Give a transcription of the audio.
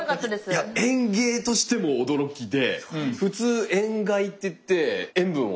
いや園芸としても驚きで普通塩害って言って塩分を与えちゃうとですね